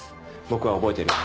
僕は覚えてる。